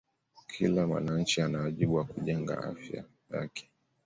Kila mwananchi ana wajibu wa kujenga Afya yake